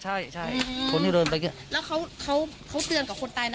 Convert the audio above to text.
กันหมดแล้วผมก็เคียงมา